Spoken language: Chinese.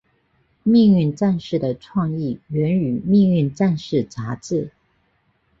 命运战士的创意源于命运战士杂志。